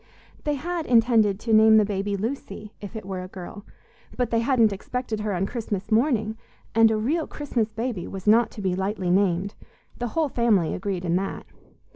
They had intended to name the baby Lucy, if it were a girl; but they hadn't expected her on Christmas morning, and a real Christmas baby was not to be lightly named the whole family agreed in that.